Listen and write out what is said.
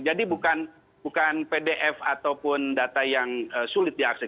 jadi bukan pdf ataupun data yang sulit diakses